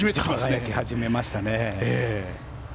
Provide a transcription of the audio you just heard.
輝き始めましたね。